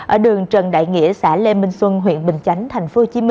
ở đường trần đại nghĩa xã lê minh xuân huyện bình chánh tp hcm